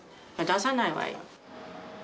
出さないわよ。